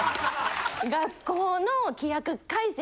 学校の規約改正